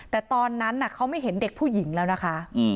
แต่ตอนนั้นเขาไม่เห็นเด็กผู้หญิงแล้วนะคะ